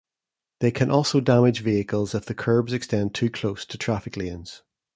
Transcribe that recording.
They can also damage vehicles if the curbs extend too close to traffic lanes.